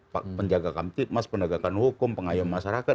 penjaga kamtipmas penegakan hukum pengayom masyarakat